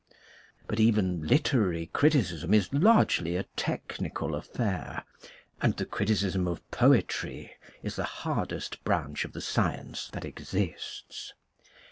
But even literary criticism is largely a technical affair, and the criticism of poetry is the hardest branch of the science that exists.